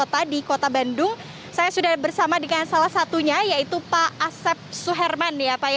tadi kota bandung saya sudah bersama dengan salah satunya yaitu pak asep suherman